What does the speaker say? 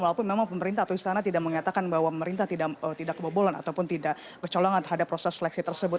walaupun memang pemerintah atau istana tidak mengatakan bahwa pemerintah tidak kebobolan ataupun tidak bercolongan terhadap proses seleksi tersebut